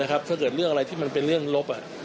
ถ้าเกิดเรื่องอะไรที่มันเป็นเรื่องลบ